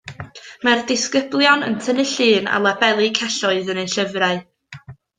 Mae'r disgyblion yn tynnu llun a labelu celloedd yn eu llyfrau